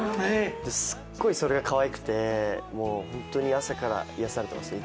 すっごいそれがかわいくて本当に朝から癒やされてますね。